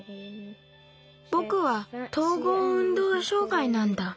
ぼくは統合運動障害なんだ。